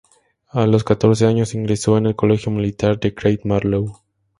A los catorce años ingresó en el colegio militar de Great Marlow.